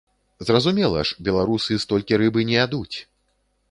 Зразумела ж, беларусы столькі рыбы не ядуць.